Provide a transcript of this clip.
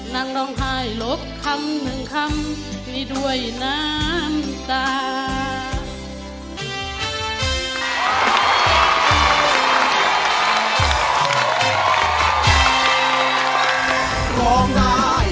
นั่งร้องไห้ลบคำหนึ่งคำนี้ด้วยน้ำตา